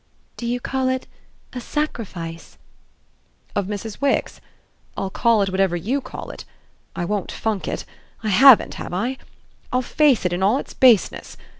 "Do you call it a 'sacrifice'?" "Of Mrs. Wix? I'll call it whatever YOU call it. I won't funk it I haven't, have I? I'll face it in all its baseness.